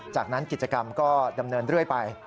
จากนั้นกิจกรรมก็ดำเนินเรื่อยไป